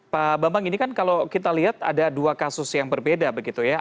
pak bambang ini kan kalau kita lihat ada dua kasus yang berbeda begitu ya